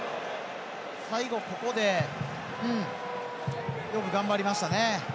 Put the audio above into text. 最後、ここでよく頑張りましたね。